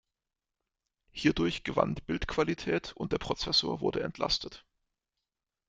Hierdurch gewann die Bildqualität und der Prozessor wurde entlastet.